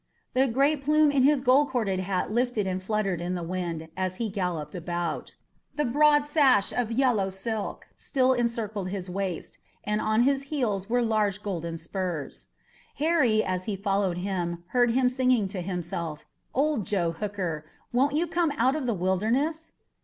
The great plume in his gold corded hat lifted and fluttered in the wind as he galloped about. The broad sash of yellow silk still encircled his waist, and on his heels were large golden spurs. Harry, as he followed him, heard him singing to himself, "Old Joe Hooker, won't you come out of the Wilderness?"